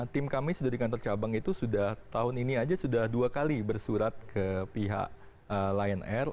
tim kami sudah di kantor cabang itu sudah tahun ini saja sudah dua kali bersurat ke pihak lion air